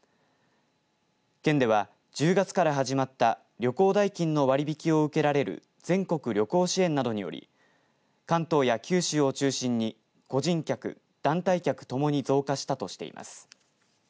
県では１０月から始まった旅行代金の割り引きを受けられる全国旅行支援などにより関東や九州を中心に個人客、団体客ともに増加したとしています。